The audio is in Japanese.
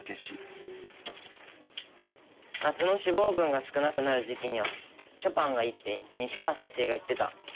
夏の脂肪分が少なくなる時期にはショパンがいいって西川先生が言ってた。